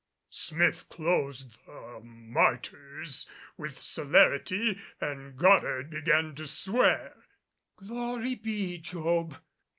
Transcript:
Smith closed the "Martyrs" with celerity and Goddard began to swear. "Glory be, Job!